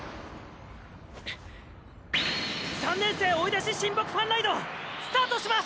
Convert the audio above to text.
３年生追い出し親睦ファンライドスタートします！